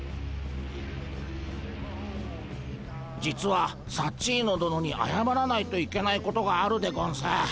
実はサッチーノ殿にあやまらないといけないことがあるでゴンス。